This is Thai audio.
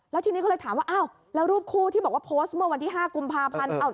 แล้วทีนี้ก็เลยถามว่าอ้าวแล้วรูปคู่ที่บอกว่าโพสต์เมื่อวันที่๕กุมภาพันธ์